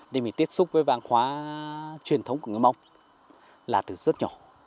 thì mình tiếp xúc với văn hóa truyền thống của người mông là từ rất nhỏ